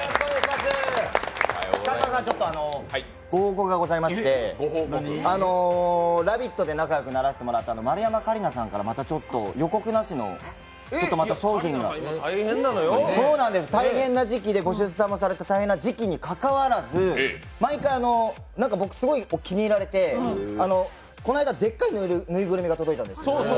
ちょっとご報告がございまして「ラヴィット！」で仲良くならせてもらった丸山桂里奈さんからまた、ちょっと予告なしの商品がご出産もされて大変な時期にもかかわらず毎回、僕すごい気に入られてこの間でっかいぬいぐるみが届いたんです。